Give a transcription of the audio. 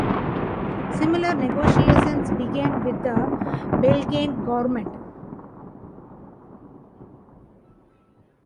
Similar negotiations began with the Belgian government.